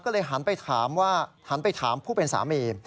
ก็เลยหันไปถามผู้เป็นสามี